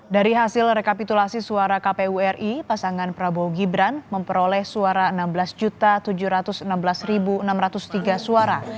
dari hasil rekapitulasi suara kpu ri pasangan prabowo gibran memperoleh suara enam belas tujuh ratus enam belas enam ratus tiga suara